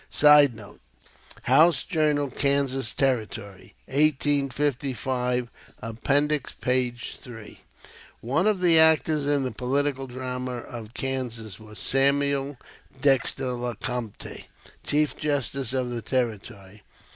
[Sidenote: "House Journal Kansas Territory," 1855. Appendix, p. 3.] One of the actors in the political drama of Kansas was Samuel Dexter Lecompte, Chief Justice of the Territory.